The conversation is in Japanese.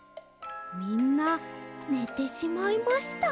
みんなねてしまいました。